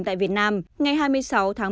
tại việt nam ngày hai mươi sáu tháng một mươi một